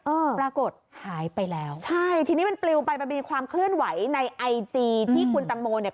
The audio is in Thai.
อ่าปรากฏหายไปแล้วใช่ทีนี้มันปลิวไปมันมีความเคลื่อนไหวในไอจีที่คุณตังโมเนี่ย